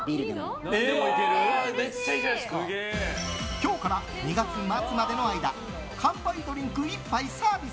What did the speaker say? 今日から２月末までの間乾杯ドリンク１杯サービス。